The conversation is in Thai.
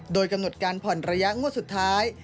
โดยกำหนดการผ่อนระยะงวดสุดท้าย